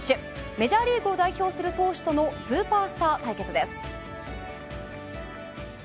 メジャーリーグを代表する投手とのスーパースター対決です。